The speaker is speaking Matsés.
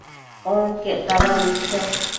onquec tabadnu cho